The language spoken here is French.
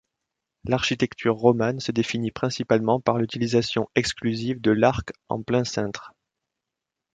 L'architecture romane se définit principalement par l'utilisation exclusive de l'arc en plein cintre.